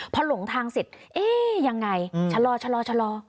พอหลงทางเสร็จเอ๊ะยังไงชะลอ